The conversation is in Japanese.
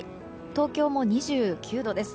東京も２９度です。